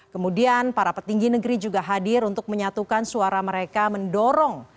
kemudian para petinggi negeri juga hadir untuk menyatukan suara mereka mendorong